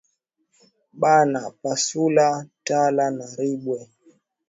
Bana pasula tala na ribwe